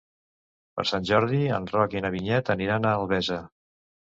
Per Sant Jordi en Roc i na Vinyet aniran a Albesa.